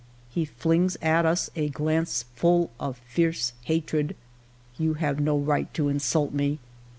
He flings at us a glance full of fierce hatred. "' You have no right to insult me